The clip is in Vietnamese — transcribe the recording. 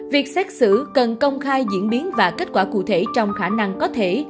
việc xét xử cần công khai diễn biến và kết quả cụ thể trong khả năng có thể